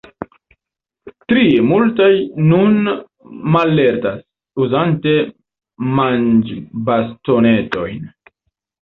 Trie, multaj nun mallertas, uzante manĝobastonetojn.